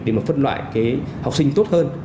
để mà phân loại học sinh tốt hơn